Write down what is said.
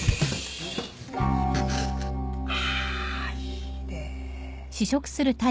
あいいねぇ。